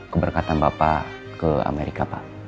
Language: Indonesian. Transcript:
keberkatan bapak ke amerika pak